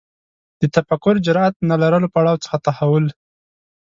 د تفکر جرئت نه لرلو پړاو څخه تحول